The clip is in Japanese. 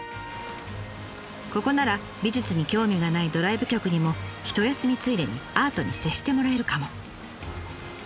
ここなら美術に興味がないドライブ客にも一休みついでにアートに接してもらえるかも。